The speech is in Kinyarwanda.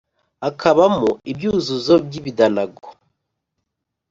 Hakabamo ibyuzuzo by’ibidanago,